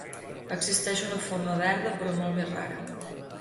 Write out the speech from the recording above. Existeix una forma verda però molt més rara.